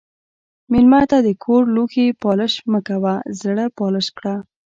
مېلمه ته د کور لوښي پالش مه کوه، زړه پالش کړه.